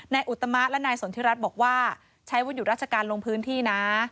อุตมะและนายสนทิรัฐบอกว่าใช้วันหยุดราชการลงพื้นที่นะ